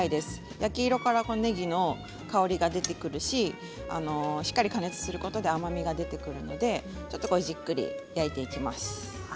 焼き色からねぎの香りが出てくるししっかり加熱することで甘みが出てくるのでじっくりと焼いていきます。